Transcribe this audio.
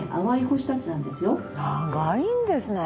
長いんですね。